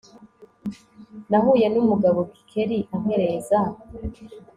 Nahuye numugabo Gikeli ampereza